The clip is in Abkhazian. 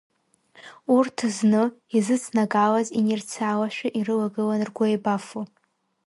Урҭ зны изыцнагалаз инерциалашәа ирыла-гылан ргәы еибафо.